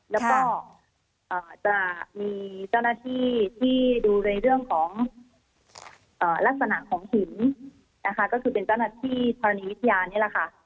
แล้วก็จะมีเจ้าหน้าที่ที่ดูในเรื่องของลักษณะของหินนะคะก็คือเป็นเจ้าหน้าที่ธรณีวิทยานี่แหละค่ะ